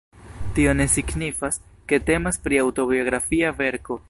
Tio ne signifas, ke temas pri aŭtobiografia verko.